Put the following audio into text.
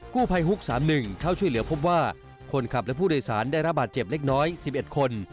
กู้ภัยฮุก๓๑เข้าช่วยเหลือพบว่าคนขับและผู้โดยสารได้ระบาดเจ็บเล็กน้อย๑๑คน